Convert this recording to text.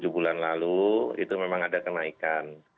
tujuh bulan lalu itu memang ada kenaikan